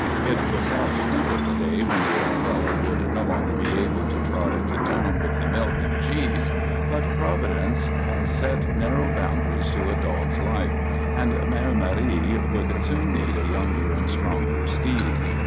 It was sad to think of the day when the old fellow would no longer be able to trot into town with the milk and cheese, but Providence has set narrow boundaries to a dog's life, and Mère Marie would soon need a younger and stronger steed.